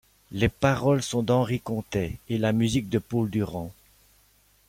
Les paroles sont d'Henri Contet, et la musique de Paul Durand.